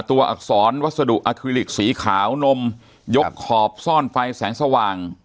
อักษรวัสดุอาคิลิกสีขาวนมยกขอบซ่อนไฟแสงสว่าง